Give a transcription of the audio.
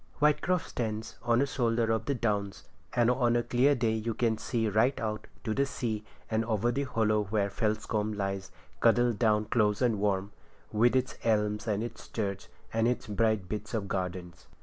Whitecroft stands on a shoulder of the Downs, and on a clear day you can see right out to sea and over the hollow where Felscombe lies cuddled down close and warm, with its elms and its church, and its bright bits of gardens.